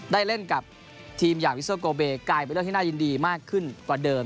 ได้เล่นกับทีมอย่างวิโซโกเบกลายเป็นเรื่องที่น่ายินดีมากขึ้นกว่าเดิม